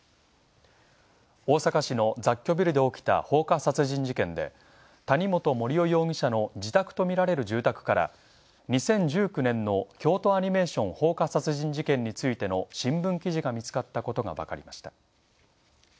大阪市の雑居ビルで起きた放火殺人事件で、谷本盛雄容疑者の自宅とみられる住宅から２０１９年の京都アニメーション放火殺人事件についての新聞記事が見つかったことがわかりました。